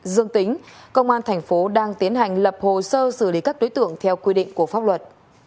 dương tính công an thành phố đang tiến hành lập hồ sơ xử lý các đối tượng theo quy định của pháp luật